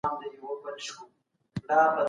ایا ته کتاب لولې؟